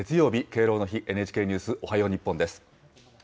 敬老の日、ＮＨＫニュースおはよう日本です。